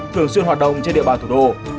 thường xuyên hoạt động trên địa bàn thủ đô